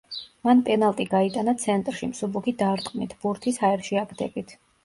მან პენალტი გაიტანა ცენტრში, მსუბუქი დარტყმით, ბურთის ჰაერში აგდებით.